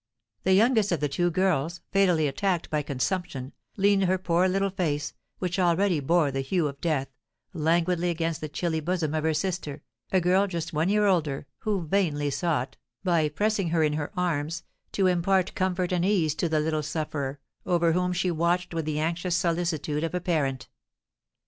The youngest of the two girls, fatally attacked by consumption, leaned her poor little face, which already bore the hue of death, languidly against the chilly bosom of her sister, a girl just one year older, who vainly sought, by pressing her in her arms, to impart comfort and ease to the little sufferer, over whom she watched with the anxious solicitude of a parent.